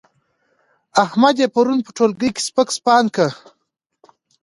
احمد يې پرون په ټولګي کې سپک سپاند کړ.